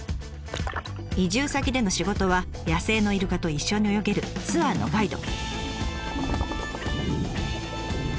移住先での仕事は野生のイルカと一緒に泳げるツアーのガイド。